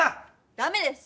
ダメです！